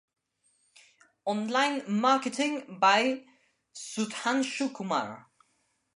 Online Marketing by Sudhanshu Kumar.